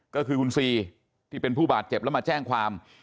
ก็คือคุณซีที่เป็นผู้บาดเจ็บแล้วมาแจ้งความ